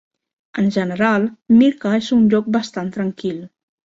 En general, Mirca és un lloc bastant tranquil.